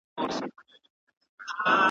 ګواکي« هغسي غر هغسي کربوړی ,